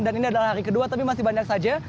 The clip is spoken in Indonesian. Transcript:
dan ini adalah hari kedua tapi masih banyak saja